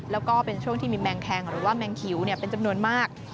แล้วก็เป็นช่วงที่มีแมงแคงหรือว่าแมงคิวเป็นจำนวนมาก